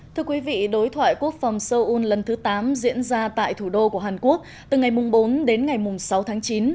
thưa quý vị đối thoại quốc phòng seoul lần thứ tám diễn ra tại thủ đô của hàn quốc từ ngày bốn đến ngày sáu tháng chín